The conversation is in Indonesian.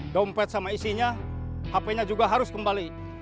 dompet sama isinya hp nya juga harus kembali